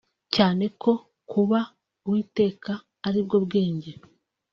Cyane ko kubaha uwiteka aribwo bwenge